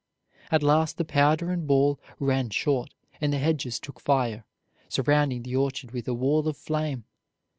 At last the powder and ball ran short and the hedges took fire, surrounding the orchard with a wall of flame.